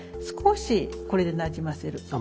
少しこれでなじませる。